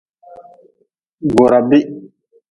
Goorabih.